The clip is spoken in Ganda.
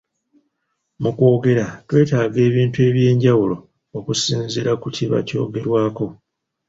Mu kwogera twetaaga ebintu eby’enjawulo okusinziira ku kiba kyogerwako.